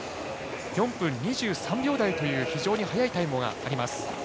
４分２３秒台という非常に速いタイムがあります。